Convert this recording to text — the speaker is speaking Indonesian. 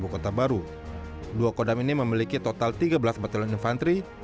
dua kodam ini memiliki total tiga belas batalion infanteri